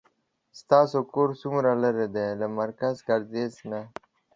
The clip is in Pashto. ستاسو کور څومره لری ده له مرکز ګردیز نه